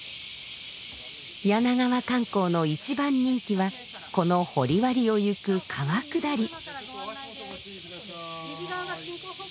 柳川観光の一番人気はこの掘割を行く川下り。